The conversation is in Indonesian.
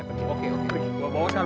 gua bawa carmen ke bagian itu